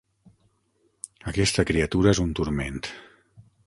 Aquesta criatura és un turment.